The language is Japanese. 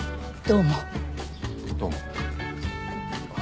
どうも。